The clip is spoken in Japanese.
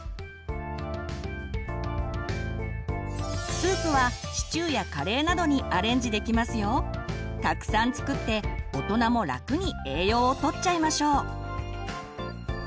スープはたくさん作って大人も楽に栄養をとっちゃいましょう。